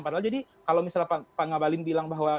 padahal jadi kalau misalnya pak ngabalin bilang bahwa